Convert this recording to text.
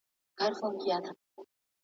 مستي مو توبې کړې تقدیرونو ته به څه وایو!